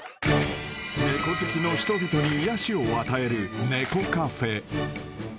［猫好きの人々に癒やしを与える猫カフェ］